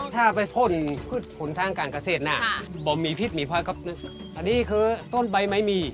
ถ้าไปพ่นผลศาลการเกษตรนะบ่มมีพิษมีภาพอันนี้คือต้นใบไม้มี